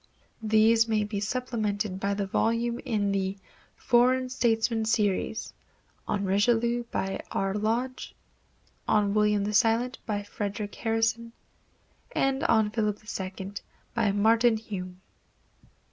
These may be supplemented by the volumes in the "Foreign Statesmen Series," on Richelieu, by R. Lodge; on William the Silent, by Frederic Harrison, and on Philip II, by Martin Hume.